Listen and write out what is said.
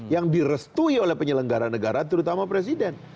yang direstui oleh penyelenggara negara terutama presiden